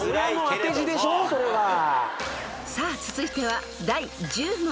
［さあ続いては第１０問］